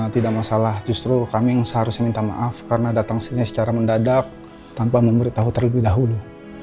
tidak masalah justru kami yang seharusnya minta maaf karena datang sini secara mendadak tanpa memberitahu terlebih dahulu